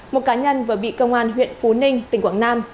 một cá nhân vừa bị công an huyện phú ninh tỉnh quảng nam